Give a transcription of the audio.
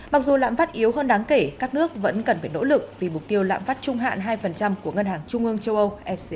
mặc dù lạm phát yếu hơn đáng kể các nước vẫn cần phải nỗ lực vì mục tiêu lạm phát trung hạn hai của ngân hàng trung ương châu âu